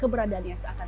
itu yang hanya sadar